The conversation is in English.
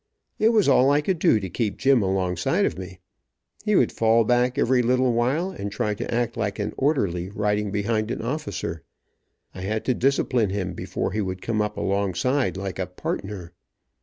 It was all I could do to keep Jim alongside of me. He would fall back every little while and try to act like an orderly riding behind an officer. I had to discipline him before he would come up alongside like a "partner."